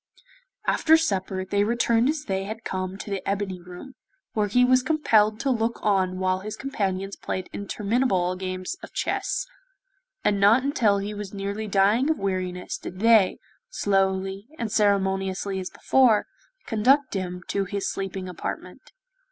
After supper, they returned as they had come to the ebony room, where he was compelled to look on while his companions played interminable games of chess, and not until he was nearly dying of weariness did they, slowly and ceremoniously as before, conduct him to his sleeping apartment.